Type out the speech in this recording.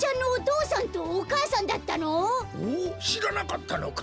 うん？しらなかったのか。